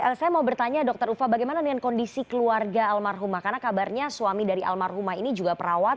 oke saya mau bertanya dr ufa bagaimana dengan kondisi keluarga almarhumah karena kabarnya suami dari almarhumah ini juga perawat